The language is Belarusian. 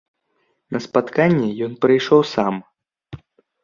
На спатканне ён прыйшоў сам.